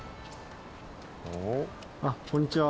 あっこんにちは。